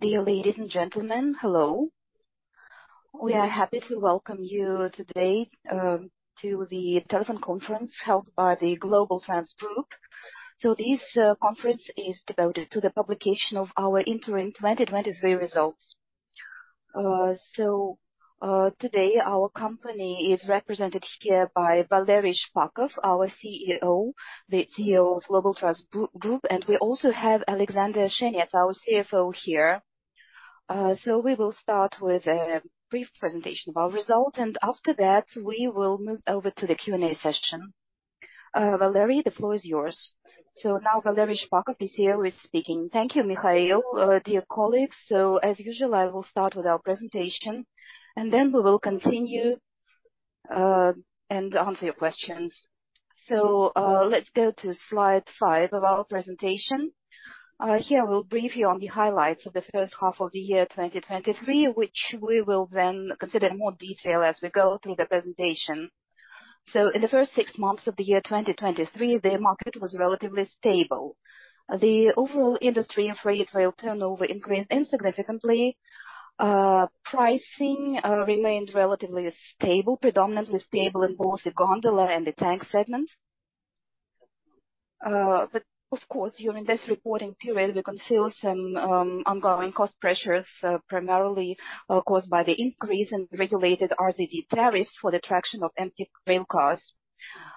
Dear ladies and gentlemen, hello. We are happy to welcome you today to the telephone conference held by the Globaltrans Group. This conference is devoted to the publication of our interim 2023 results. Today our company is represented here by Valery Shpakov, our CEO, the CEO of Globaltrans Group, and we also have Alexander Shenets, our CFO here. We will start with a brief presentation of our results, and after that, we will move over to the Q&A session. Valery, the floor is yours. Now Valery Shpakov is speaking. Thank you, Mikhail. Dear colleagues, as usual, I will start with our presentation, and then we will continue and answer your questions. Let's go to slide five of our presentation. Here I will brief you on the highlights of the first half of the year 2023, which we will then consider in more detail as we go through the presentation. So in the first six months of the year 2023, the market was relatively stable. The overall industry and freight rail turnover increased insignificantly. Pricing remained relatively stable, predominantly stable in both the gondola and the tank segments. But of course, during this reporting period, we concealed some ongoing cost pressures, primarily caused by the increase in regulated RZD tariffs for the traction of empty rail cars.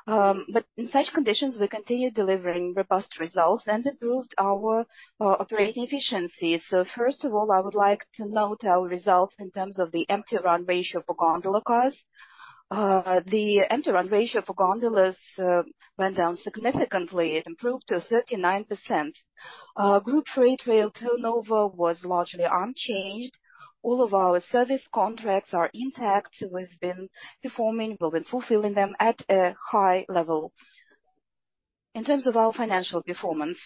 In such conditions, we continued delivering robust results and improved our operating efficiency. So first of all, I would like to note our results in terms of the empty run ratio for gondola cars. The empty run ratio for gondolas went down significantly. It improved to 39%. Group freight rail turnover was largely unchanged. All of our service contracts are intact. We've been performing. We've been fulfilling them at a high level. In terms of our financial performance,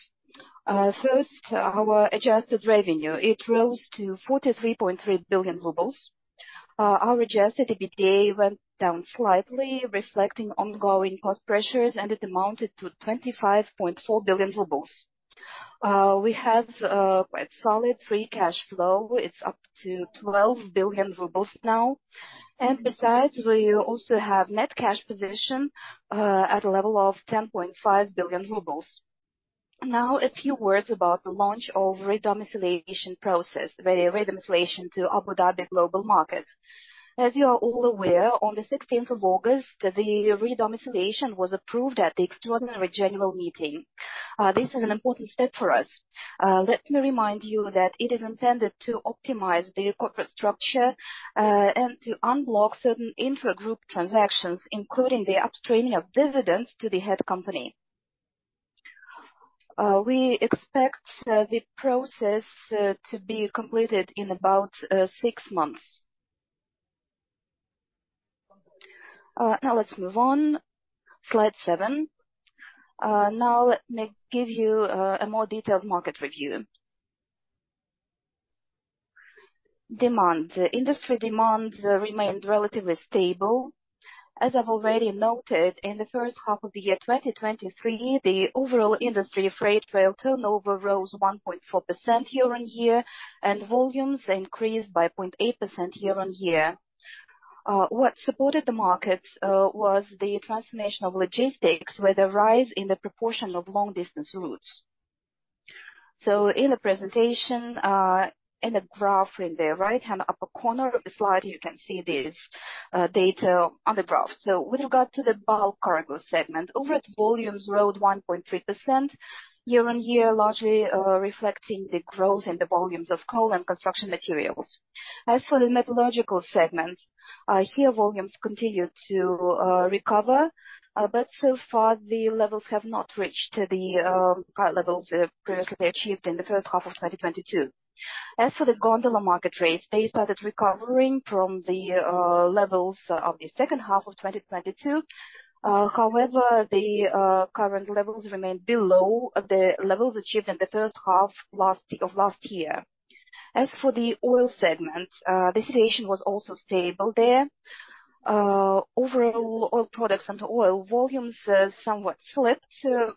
first, our adjusted revenue rose to 43.3 billion rubles. Our adjusted EBITDA went down slightly, reflecting ongoing cost pressures, and it amounted to 25.4 billion rubles. We have quite solid free cash flow. It's up to 12 billion rubles now, and besides, we also have net cash position at a level of 10.5 billion rubles. Now, a few words about the launch of re-domiciliation process, the re-domiciliation to Abu Dhabi Global Market. As you are all aware, on the sixteenth of August, the re-domiciliation was approved at the extraordinary general meeting. This is an important step for us. Let me remind you that it is intended to optimize the corporate structure, and to unblock certain intragroup transactions, including the upstreaming of dividends to the head company. We expect the process to be completed in about six months. Now let's move on slide seven. Now let me give you a more detailed market review. Demand. Industry demand remained relatively stable. As I've already noted, in the first half of 2023, the overall industry freight rail turnover rose 1.4% year-on-year, and volumes increased by 0.8% year-on-year. What supported the markets was the transformation of logistics, with a rise in the proportion of long-distance routes. So in the presentation, in the graph in the right-hand upper corner of the slide, you can see this data on the graph. So with regard to the bulk cargo segment, overall volumes rose 1.3% year-on-year, largely reflecting the growth in the volumes of coal and construction materials. As for the metallurgical segment, here volumes continued to recover, but so far, the levels have not reached the high levels previously achieved in the first half of 2022. As for the gondola market rates, they started recovering from the levels of the second half of 2022. However, the current levels remain below the levels achieved in the first half of last year. As for the oil segment, the situation was also stable there. Overall, oil products and oil volumes somewhat slipped,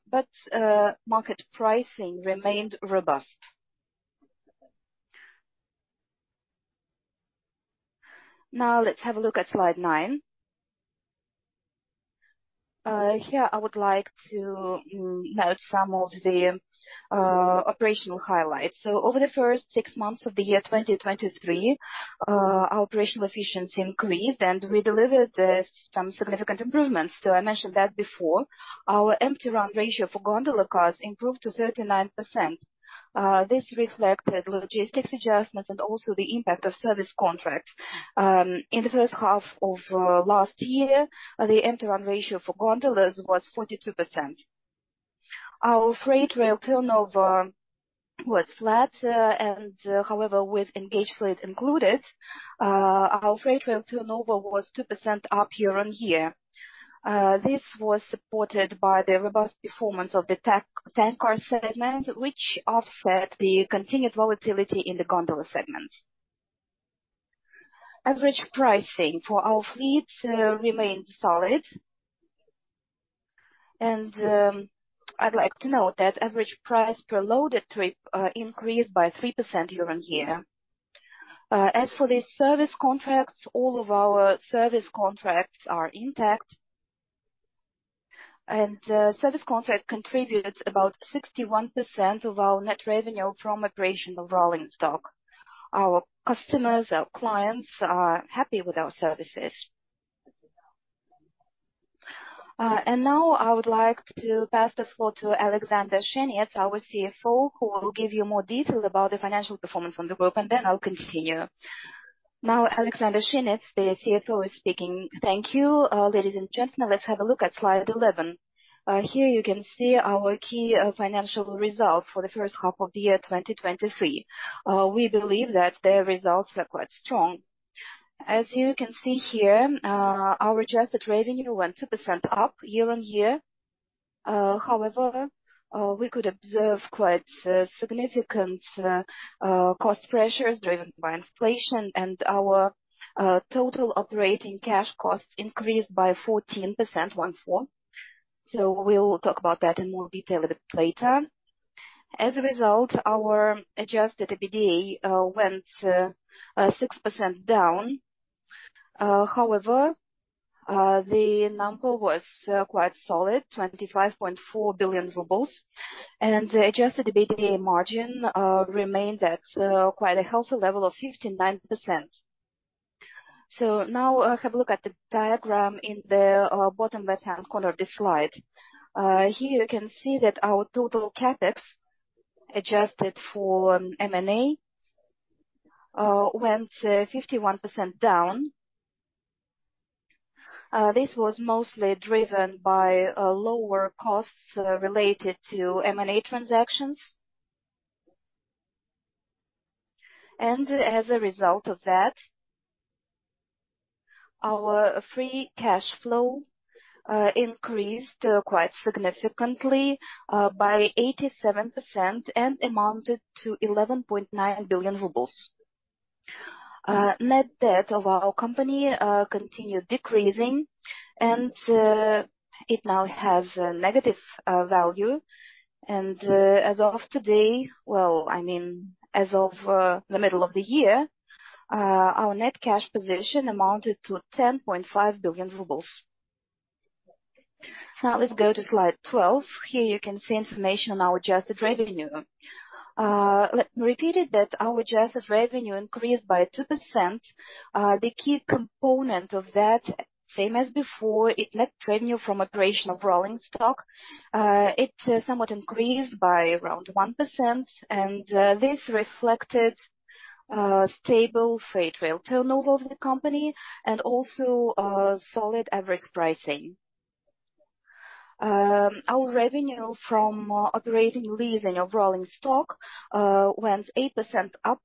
but market pricing remained robust. Now let's have a look at slide nine. Here I would like to note some of the operational highlights. So over the first six months of the year 2023, our operational efficiency increased, and we delivered some significant improvements. So I mentioned that before. Our empty run ratio for gondola cars improved to 39%. This reflected logistics adjustments and also the impact of service contracts. In the first half of last year, the empty run ratio for gondolas was 42%. Our freight rail turnover was flat, and however, with engaged fleet included, our freight rail turnover was 2% up year-on-year. This was supported by the robust performance of the tank car segment, which offset the continued volatility in the gondola segment. Average pricing for our fleet remained solid. I'd like to note that average price per loaded trip increased by 3% year-on-year. As for the service contracts, all of our service contracts are intact, and service contract contributed about 61% of our net revenue from operation of rolling stock. Our customers, our clients, are happy with our services. And now I would like to pass the floor to Alexander Shenets, our CFO, who will give you more detail about the financial performance on the group, and then I'll continue. Now Alexander Shenets, the CFO, is speaking. Thank you. Ladies and gentlemen, let's have a look at slide 11. Here you can see our key financial results for the first half of the year, 2023. We believe that the results are quite strong. As you can see here, our adjusted revenue went 2% up year-on-year. However, we could observe quite significant cost pressures driven by inflation, and our total operating cash costs increased by 14%, one four. So we'll talk about that in more detail a bit later. As a result, our adjusted EBITDA went 6% down. However, the number was quite solid, 25.4 billion rubles, and the adjusted EBITDA margin remained at quite a healthy level of 59%. So now, have a look at the diagram in the bottom left-hand corner of this slide. Here you can see that our total CapEx, adjusted for M&A, went 51% down. This was mostly driven by lower costs related to M&A transactions. And as a result of that, our free cash flow increased quite significantly by 87% and amounted to 11.9 billion rubles. Net debt of our company continued decreasing, and it now has a negative value. And, as of today, well, I mean, as of the middle of the year, our net cash position amounted to 10.5 billion rubles. Now let's go to slide 12. Here you can see information on our adjusted revenue. Let me repeat it, that our adjusted revenue increased by 2%. The key component of that, same as before, it net revenue from operation of rolling stock. It somewhat increased by around 1%, and this reflected stable freight rail turnover of the company and also solid average pricing. Our revenue from operating leasing of rolling stock went 8% up.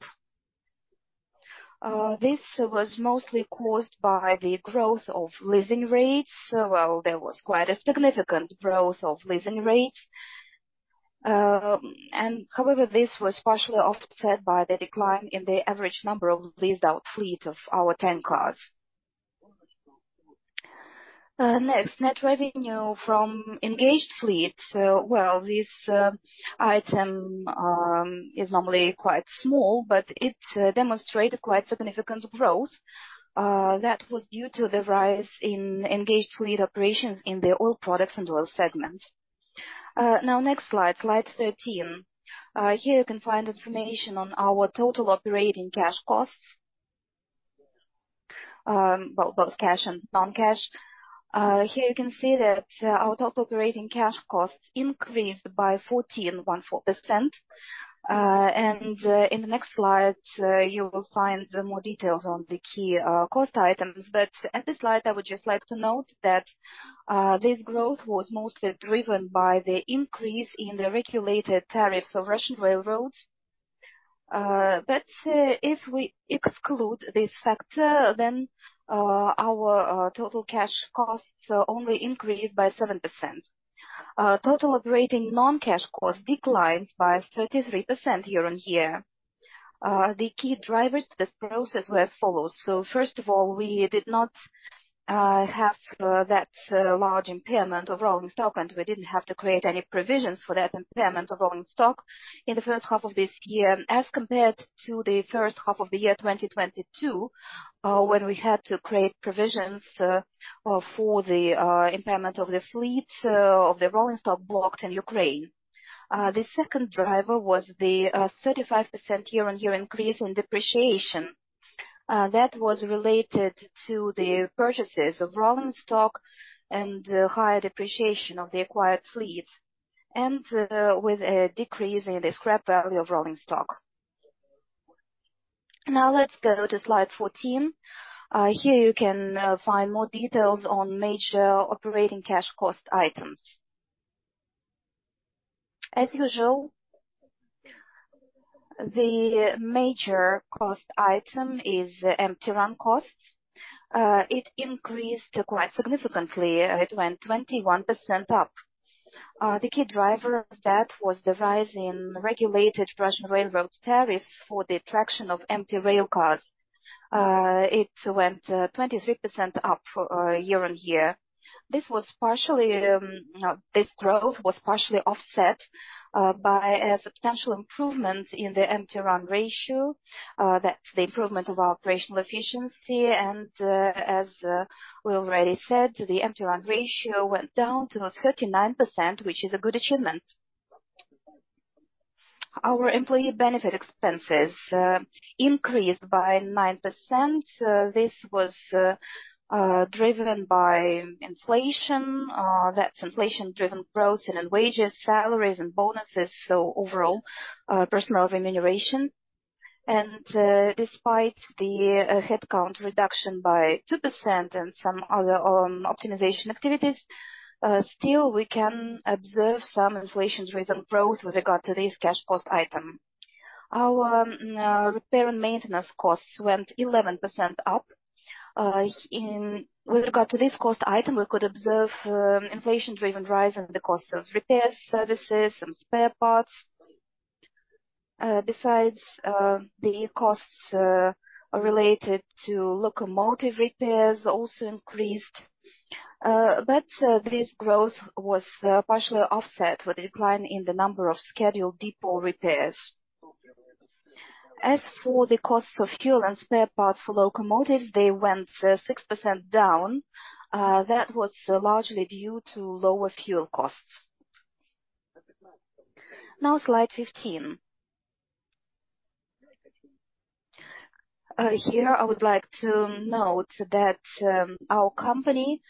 This was mostly caused by the growth of leasing rates. Well, there was quite a significant growth of leasing rate, and however, this was partially offset by the decline in the average number of leased-out fleet of our tank cars. Next, net revenue from engaged fleet. Well, this item is normally quite small, but it demonstrated quite significant growth that was due to the rise in engaged fleet operations in the oil products and oil segment. Now, next slide, slide 13. Here you can find information on our total operating cash costs, well, both cash and non-cash. Here you can see that our total operating cash costs increased by 14.4%. And in the next slide you will find the more details on the key cost items. But at this slide, I would just like to note that this growth was mostly driven by the increase in the regulated tariffs of Russian railroads. But if we exclude this factor, then our total cash costs only increased by 7%. Total operating non-cash costs declined by 33% year-on-year. The key drivers to this process were as follows: So first of all, we did not have that large impairment of rolling stock, and we didn't have to create any provisions for that impairment of rolling stock in the first half of this year, as compared to the first half of the year, 2022, when we had to create provisions for the impairment of the fleet of the rolling stock blocked in Ukraine. The second driver was the 35% year-on-year increase in depreciation. That was related to the purchases of rolling stock and higher depreciation of the acquired fleet, and with a decrease in the scrap value of rolling stock. Now let's go to slide 14. Here you can find more details on major operating cash cost items. As usual, the major cost item is empty run costs. It increased quite significantly. It went 21% up. The key driver of that was the rise in regulated Russian railroad tariffs for the traction of empty rail cars. It went 23% up for year-on-year. This was partially, you know, this growth was partially offset by a substantial improvement in the empty run ratio, that's the improvement of our operational efficiency, and, as we already said, the empty run ratio went down to 39%, which is a good achievement. Our employee benefit expenses increased by 9%. This was driven by inflation, that's inflation-driven growth in wages, salaries, and bonuses, so overall, personnel remuneration. Despite the headcount reduction by 2% and some other optimization activities, still we can observe some inflation-driven growth with regard to this cash cost item. Our repair and maintenance costs went 11% up. In with regard to this cost item, we could observe inflation-driven rise in the cost of repairs, services, and spare parts. Besides, the costs related to locomotive repairs also increased, but this growth was partially offset with a decline in the number of scheduled depot repairs. As for the cost of fuel and spare parts for locomotives, they went 6% down. That was largely due to lower fuel costs. Now, slide 15. Here, I would like to note that our company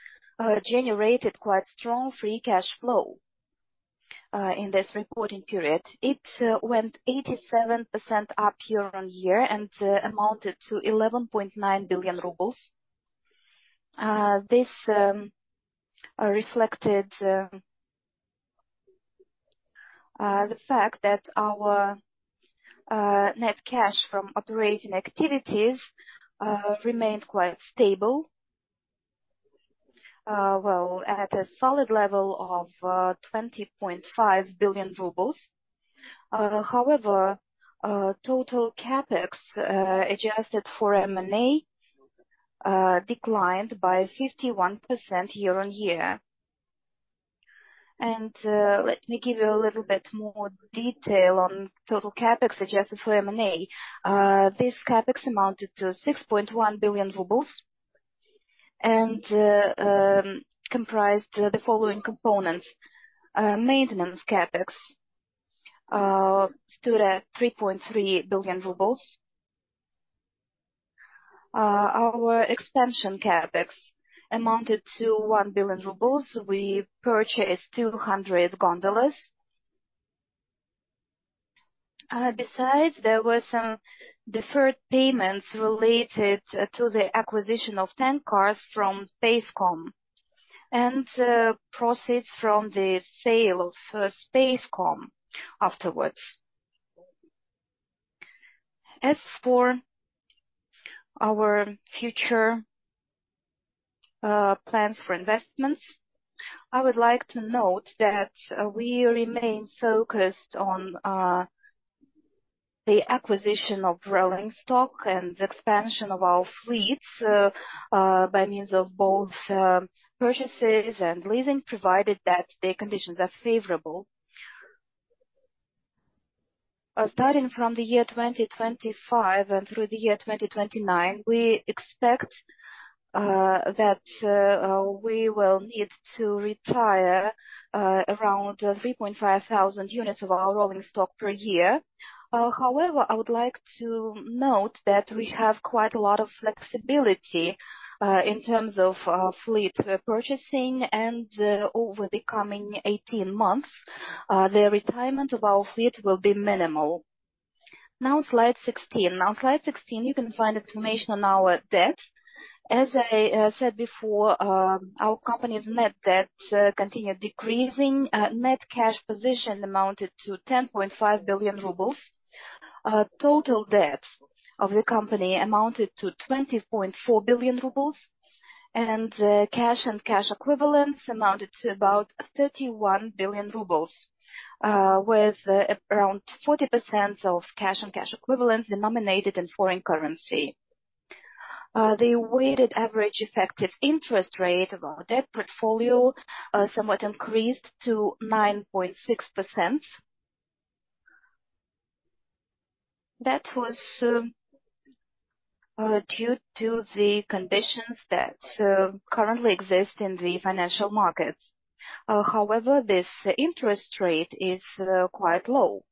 generated quite strong free cash flow in this reporting period. It went 87% up year-on-year and amounted to 11.9 billion rubles. This reflected the fact that our net cash from operating activities remained quite stable, well, at a solid level of 20.5 billion rubles. However, total CapEx adjusted for M&A declined by 51% year-on-year. Let me give you a little bit more detail on total CapEx adjusted for M&A. This CapEx amounted to 6.1 billion rubles and comprised the following components: Maintenance CapEx stood at 3.3 billion rubles. Our expansion CapEx amounted to 1 billion rubles. We purchased 200 gondolas. Besides, there were some deferred payments related to the acquisition of tank cars from Spacecom, and proceeds from the sale of Spacecom afterwards. As for our future plans for investments, I would like to note that we remain focused on the acquisition of rolling stock and the expansion of our fleets by means of both purchases and leasing, provided that the conditions are favorable. Starting from the year 2025 and through the year 2029, we expect that we will need to retire around 3,500 units of our rolling stock per year. However, I would like to note that we have quite a lot of flexibility in terms of fleet purchasing, and over the coming 18 months the retirement of our fleet will be minimal. Now, slide 16. On slide 16, you can find information on our debt. As I said before, our company's net debt continued decreasing. Net cash position amounted to 10.5 billion rubles. Total debt of the company amounted to 20.4 billion rubles, and cash and cash equivalents amounted to about 31 billion rubles, with around 40% of cash and cash equivalents denominated in foreign currency. The weighted average effective interest rate of our debt portfolio somewhat increased to 9.6%. That was due to the conditions that currently exist in the financial markets. However, this interest rate is quite low.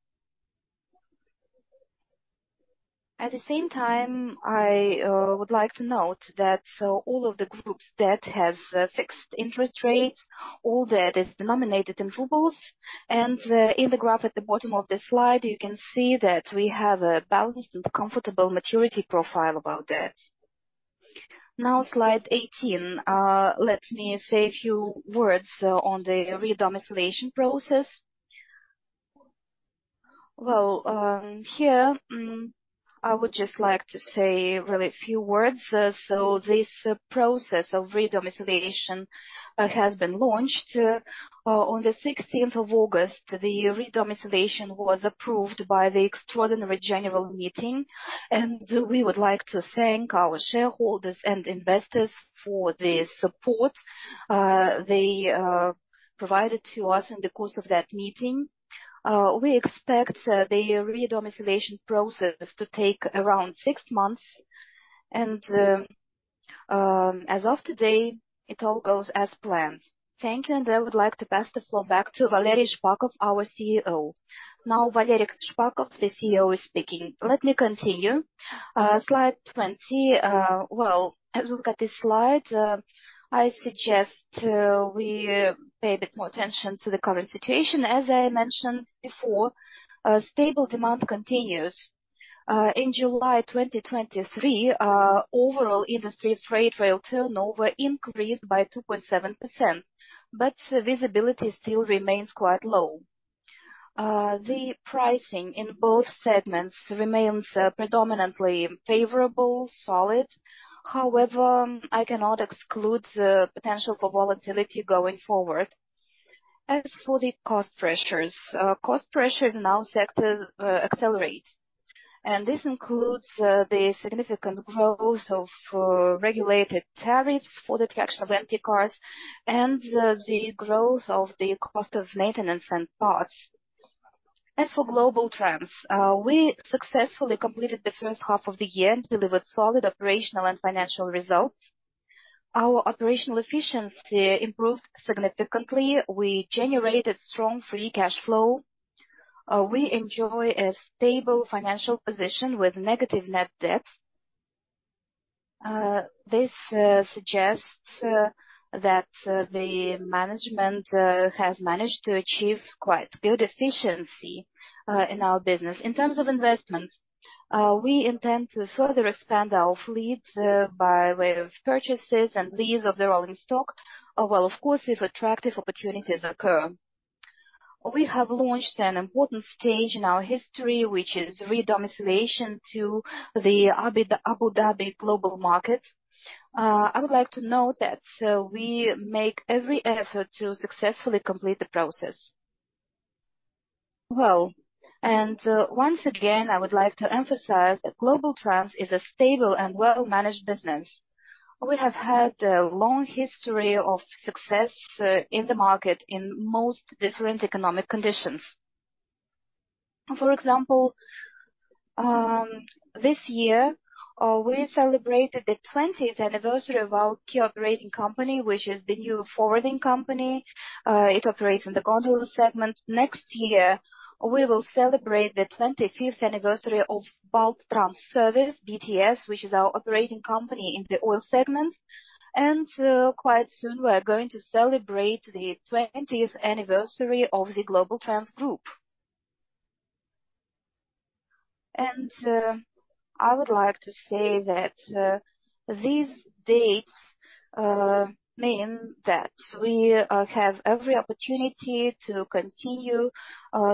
At the same time, I would like to note that all of the group's debt has fixed interest rates, all debt is denominated in rubles, and in the graph at the bottom of this slide, you can see that we have a balanced and comfortable maturity profile about that. Now, slide 18. Let me say a few words on the re-domiciliation process. Well, here, I would just like to say really a few words. So this process of re-domiciliation has been launched on the sixteenth of August. The re-domiciliation was approved by the extraordinary general meeting, and we would like to thank our shareholders and investors for the support they provided to us in the course of that meeting. We expect the re-domiciliation process to take around six months, and as of today, it all goes as planned. Thank you. I would like to pass the floor back to Valery Shpakov, our CEO. Now, Valery Shpakov, the CEO, is speaking. Let me continue. Slide 20. Well, as we look at this slide, I suggest we pay a bit more attention to the current situation. As I mentioned before, stable demand continues. In July 2023, overall industry freight rail turnover increased by 2.7%, but visibility still remains quite low. The pricing in both segments remains predominantly favorable, solid. However, I cannot exclude the potential for volatility going forward. As for the cost pressures, cost pressures in our sector accelerate, and this includes the significant growth of regulated tariffs for the traction of empty cars and the growth of the cost of maintenance and parts. As for Globaltrans, we successfully completed the first half of the year and delivered solid operational and financial results. Our operational efficiency improved significantly. We generated strong free cash flow. We enjoy a stable financial position with negative net debt. This suggests that the management has managed to achieve quite good efficiency in our business. In terms of investment, we intend to further expand our fleet by way of purchases and lease of the rolling stock, well, of course, if attractive opportunities occur. We have launched an important stage in our history, which is re-domiciliation to the Abu Dhabi Global Market. I would like to note that, we make every effort to successfully complete the process. Well, and, once again, I would like to emphasize that Globaltrans is a stable and well-managed business. We have had a long history of success, in the market in most different economic conditions. For example, this year, we celebrated the 20th anniversary of our key operating company, which is the New Forwarding Company. It operates in the container segment. Next year, we will celebrate the 25th anniversary of BaltTransServis, BTS, which is our operating company in the oil segment. And, quite soon, we are going to celebrate the 20th anniversary of the Globaltrans Group. I would like to say that these dates mean that we have every opportunity to continue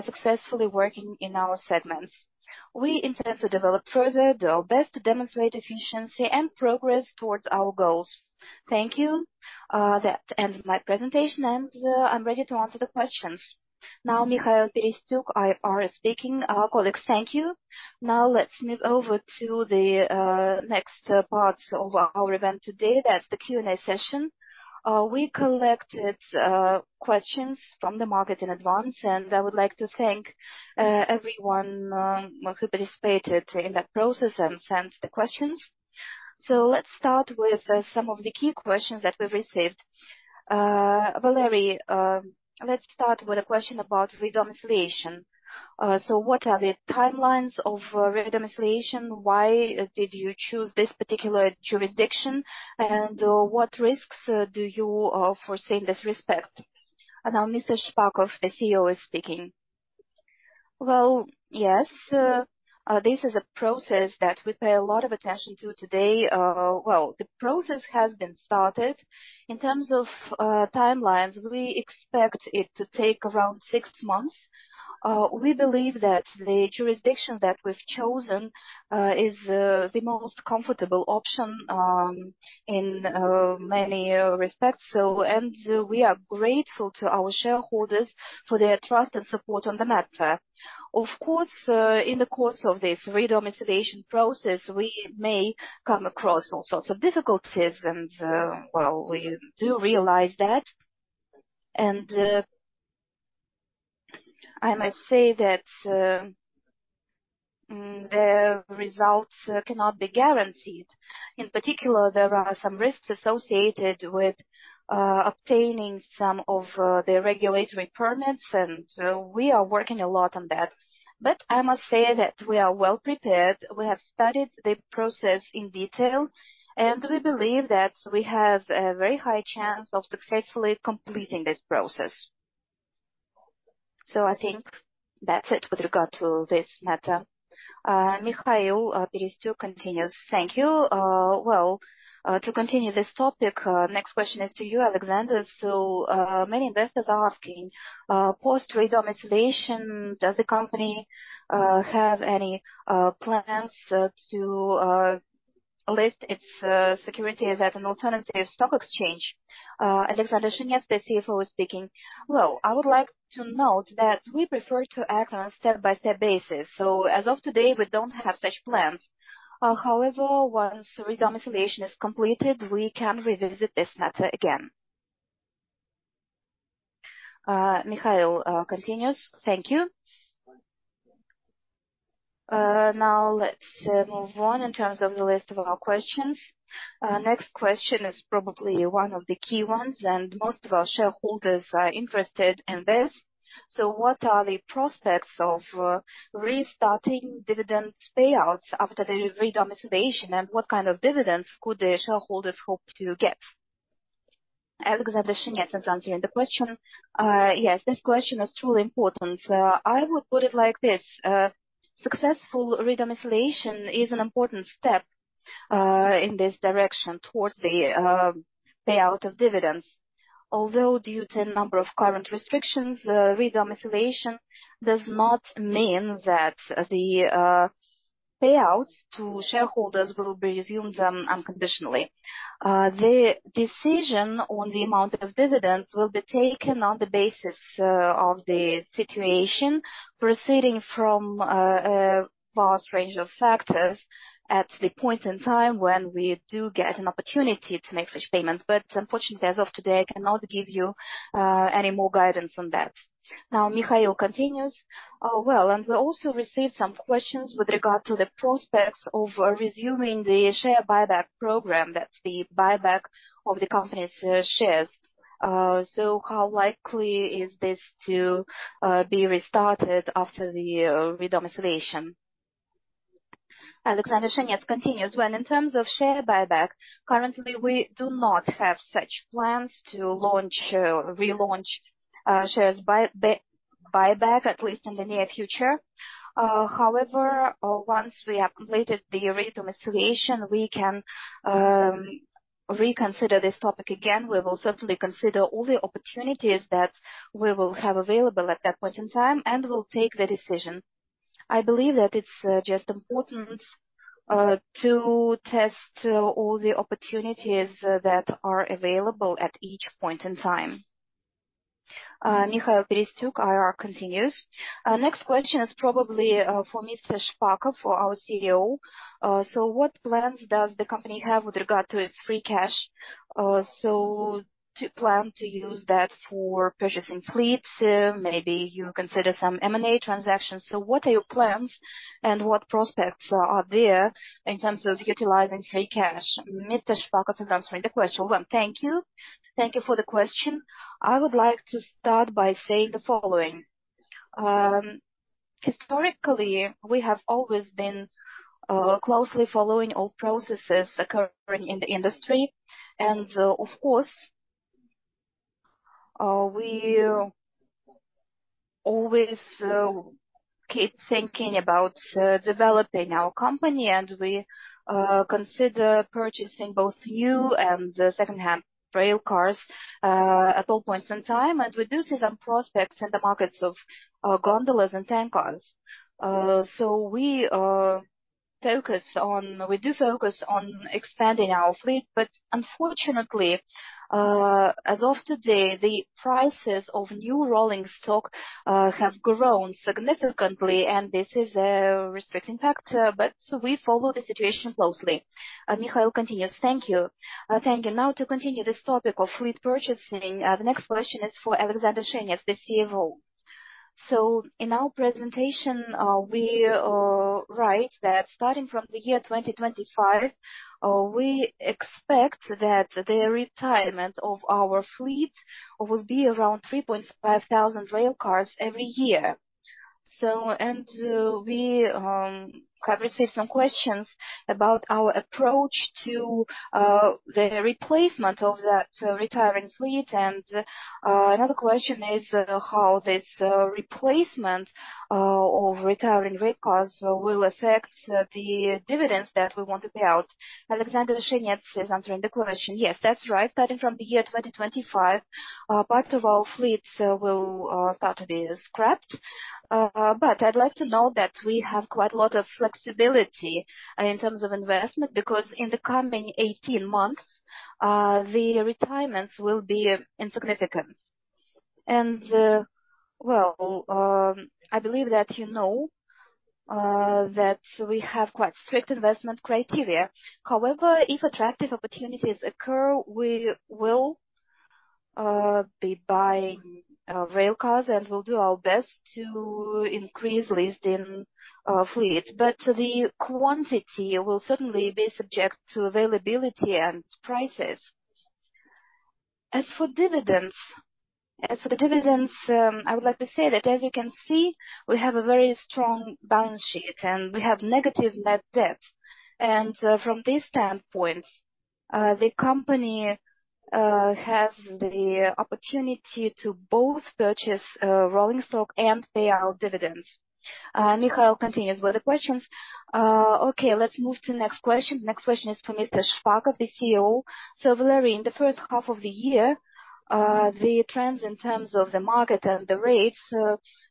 successfully working in our segments. We intend to develop further, do our best to demonstrate efficiency and progress towards our goals. Thank you. That ends my presentation, and I'm ready to answer the questions. Now, Mikhail Perestyuk is speaking. Our colleagues, thank you. Now, let's move over to the next part of our event today, that's the Q&A session. We collected questions from the market in advance, and I would like to thank everyone, well, who participated in that process and sent the questions. So let's start with some of the key questions that we received. Valery, let's start with a question about re-domiciliation. So what are the timelines of re-domiciliation? Why did you choose this particular jurisdiction? And what risks do you foresee in this respect? And now, Mr. Shpakov, the CEO, is speaking. Well, yes, this is a process that we pay a lot of attention to today. Well, the process has been started. In terms of timelines, we expect it to take around six months. We believe that the jurisdiction that we've chosen is the most comfortable option in many respects, so. And we are grateful to our shareholders for their trust and support on the matter. Of course, in the course of this re-domiciliation process, we may come across all sorts of difficulties, and well, we do realize that. And I must say that the results cannot be guaranteed. In particular, there are some risks associated with obtaining some of the regulatory permits, and we are working a lot on that. But I must say that we are well prepared. We have studied the process in detail, and we believe that we have a very high chance of successfully completing this process. So I think that's it with regard to this matter. Mikhail Perestyuk continues. Thank you. Well, to continue this topic, next question is to you, Alexander. So, many investors are asking, post re-domiciliation, does the company have any plans to list its security as at an alternative stock exchange? Alexander Shenets, the CFO is speaking. Well, I would like to note that we prefer to act on a step-by-step basis, so as of today, we don't have such plans. However, once the re-domiciliation is completed, we can revisit this matter again. Mikhail continues. Thank you. Now let's move on in terms of the list of our questions. Next question is probably one of the key ones, and most of our shareholders are interested in this. So what are the prospects of restarting dividend payouts after the re-domiciliation, and what kind of dividends could the shareholders hope to get? Alexander Shenets is answering the question. Yes, this question is truly important. I would put it like this: successful re-domiciliation is an important step in this direction towards the payout of dividends. Although due to a number of current restrictions, the re-domiciliation does not mean that the payout to shareholders will be resumed unconditionally. The decision on the amount of dividend will be taken on the basis of the situation, proceeding from a vast range of factors at the point in time when we do get an opportunity to make such payments. But unfortunately, as of today, I cannot give you any more guidance on that. Now, Mikhail continues "Oh, well, and we also received some questions with regard to the prospects of resuming the share buyback program, that's the buyback of the company's shares. So how likely is this to be restarted after the re-domiciliation?" Alexander Shenets continues. Well, in terms of share buyback, currently we do not have such plans to launch relaunch shares buyback, at least in the near future. However, once we have completed the re-domiciliation, we can reconsider this topic again. We will certainly consider all the opportunities that we will have available at that point in time, and we'll take the decision. I believe that it's just important to test all the opportunities that are available at each point in time. Mikhail Perestyuk, IR, continues. Next question is probably for Mr. Shpakov, for our CEO. So what plans does the company have with regard to its free cash? So do you plan to use that for purchasing fleets? Maybe you consider some M&A transactions. So what are your plans, and what prospects are out there in terms of utilizing free cash? Mr. Shpakov is answering the question. Well, thank you. Thank you for the question. I would like to start by saying the following. Historically, we have always been closely following all processes occurring in the industry. Of course, we always keep thinking about developing our company, and we consider purchasing both new and second-hand rail cars at all points in time, and we do see some prospects in the markets of gondolas and tank cars. So we focus on... We do focus on expanding our fleet, but unfortunately, as of today, the prices of new rolling stock have grown significantly, and this is a restricting factor, but we follow the situation closely. Mikhail continues. Thank you. Thank you. Now, to continue this topic of fleet purchasing, the next question is for Alexander Shenets, the CFO. So in our presentation, we write that starting from the year 2025, we expect that the retirement of our fleet will be around 3,500 rail cars every year. We have received some questions about our approach to the replacement of that retiring fleet. Another question is how this replacement of retiring rail cars will affect the dividends that we want to pay out. Alexander Shenets is answering the question. Yes, that's right. Starting from the year 2025, part of our fleets will start to be scrapped. But I'd like to note that we have quite a lot of flexibility in terms of investment, because in the coming 18 months, the retirements will be insignificant. Well, I believe that you know that we have quite strict investment criteria. However, if attractive opportunities occur, we will be buying rail cars, and we'll do our best to increase leased-in fleet, but the quantity will certainly be subject to availability and prices. As for dividends, as for the dividends, I would like to say that as you can see, we have a very strong balance sheet, and we have negative net debt. And, from this standpoint, the company has the opportunity to both purchase rolling stock and pay out dividends. Mikhail continues with the questions. Okay, let's move to next question. Next question is to Mr. Shpakov, the CEO. So, Valery, in the first half of the year, the trends in terms of the market and the rates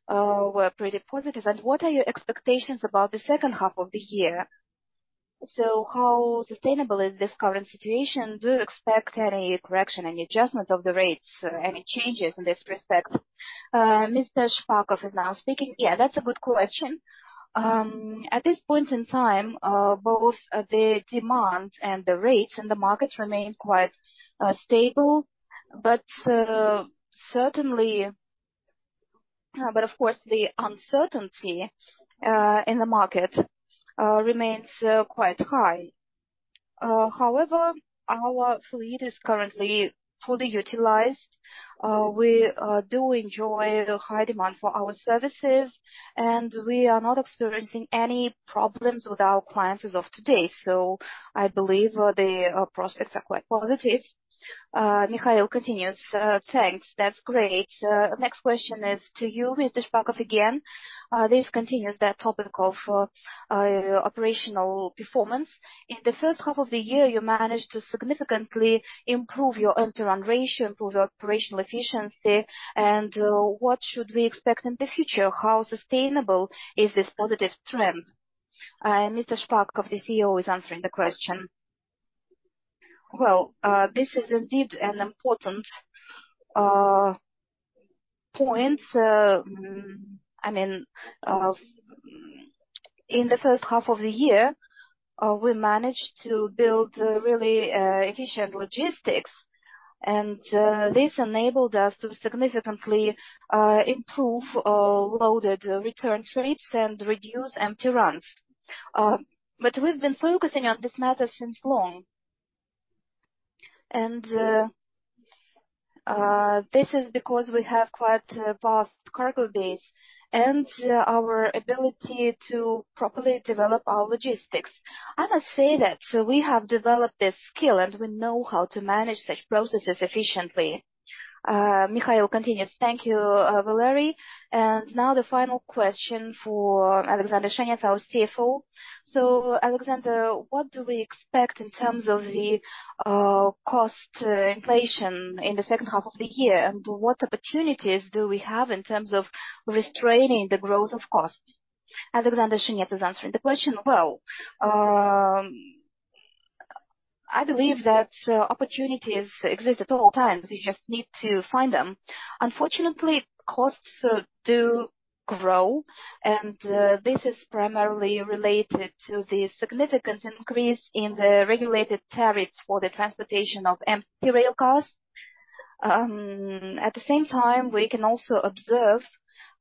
were pretty positive, and what are your expectations about the second half of the year? So how sustainable is this current situation? Do you expect any correction, any adjustment of the rates, any changes in this respect? Mr. Shpakov is now speaking. Yeah, that's a good question. At this point in time, both the demand and the rates in the market remain quite stable. But certainly... But of course, the uncertainty in the market remains quite high. However, our fleet is currently fully utilized. We do enjoy the high demand for our services, and we are not experiencing any problems with our clients as of today, so I believe the prospects are quite positive. Mikhail continues. Thanks. That's great. Next question is to you, Mr. Shpakov, again. This continues that topic of operational performance. In the first half of the year, you managed to significantly improve your empty run ratio, improve your operational efficiency, and what should we expect in the future? How sustainable is this positive trend? Mr. Shpakov, the CEO, is answering the question. Well, this is indeed an important point. I mean, in the first half of the year, we managed to build a really efficient logistics, and this enabled us to significantly improve loaded return trips and reduce empty runs. But we've been focusing on this matter since long, and this is because we have quite a vast cargo base and our ability to properly develop our logistics. I must say that, so we have developed this skill, and we know how to manage such processes efficiently. Mikhail continues. Thank you, Valery. Now the final question for Alexander Shenets, our CFO. Alexander, what do we expect in terms of the cost inflation in the second half of the year? And what opportunities do we have in terms of restraining the growth of cost? Alexander Shenets is answering the question. Well, I believe that opportunities exist at all times. You just need to find them. Unfortunately, costs do grow, and this is primarily related to the significant increase in the regulated tariffs for the transportation of empty rail cars. At the same time, we can also observe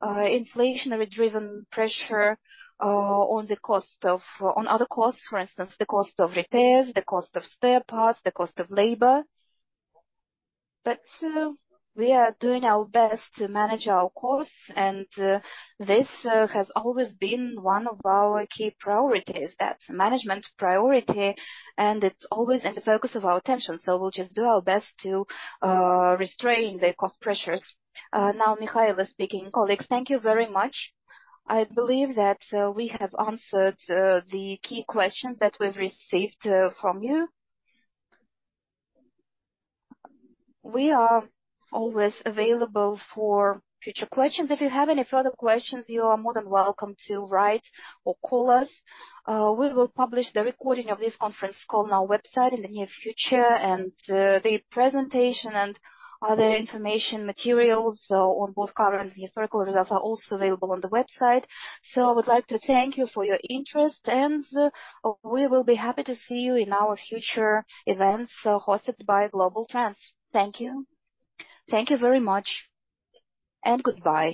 inflationary-driven pressure on the cost of... on other costs, for instance, the cost of repairs, the cost of spare parts, the cost of labor. We are doing our best to manage our costs, and this has always been one of our key priorities. That's management priority, and it's always in the focus of our attention, so we'll just do our best to restrain the cost pressures. Now Mikhail is speaking. Colleagues, thank you very much. I believe that we have answered the key questions that we've received from you. We are always available for future questions. If you have any further questions, you are more than welcome to write or call us. We will publish the recording of this conference call on our website in the near future, and the presentation and other information materials on both current and historical results are also available on the website. So I would like to thank you for your interest, and we will be happy to see you in our future events, hosted by Globaltrans. Thank you. Thank you very much, and goodbye.